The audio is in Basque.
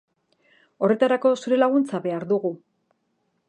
Horretarako, zure laguntza behar dugu.